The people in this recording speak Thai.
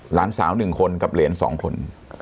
หลานสาวหนึ่งคนกับเหรนสองคน